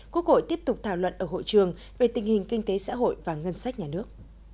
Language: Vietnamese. quốc hội tiếp tục thảo luận ở hội trường về tình hình kinh tế xã hội và ngân sách nhà nước